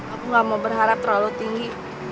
aku gak mau berharap terlalu tinggi